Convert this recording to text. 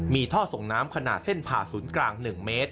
มีท่อส่งน้ำขนาดเส้นผ่าศูนย์กลาง๑เมตร